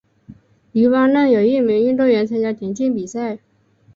黎巴嫩有一名运动员参加田径比赛。